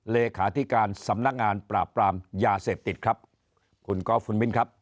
เลขาธิการสำนักงานปราบปรามยาเสพติดครับคุณกอล์ฟคุณมิ้นครับ